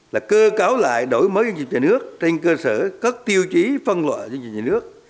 hai nghìn hai mươi là cơ cáo lại đổi mới doanh nghiệp nhà nước trên cơ sở các tiêu chí phân loại doanh nghiệp nhà nước